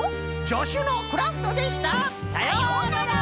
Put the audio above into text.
じょしゅのクラフトでした！さようなら。